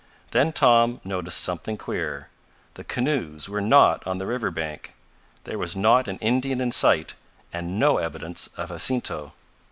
Then Tom noticed something queer. The canoes were not on the river bank. There was not an Indian in sight, and no evidence of Jacinto.